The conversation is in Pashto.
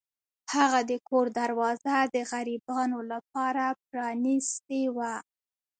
هغه د کور دروازه د غریبانو لپاره پرانیستې وه.